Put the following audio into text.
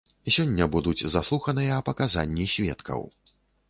Сёння будуць заслуханыя паказанні сведкаў.